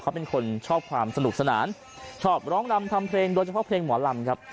เขาเป็นคนชอบความสนุกสนานชอบร้องรำทำเพลงโดยเฉพาะเพลงหมอลำครับ